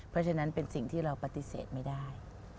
เพราะฉะนั้นเป็นสิ่งที่เราปฏิเสธไม่ได้